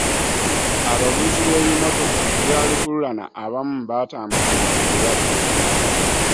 abavuzi b'ebimmotoka byalukukulana abamu baatambuzanga obulwadde.